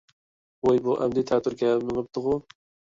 ۋوي بۇ ئەمدى تەتۈرىگە مېڭىپتىغۇ؟